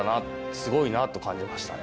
すごいなと感じましたね。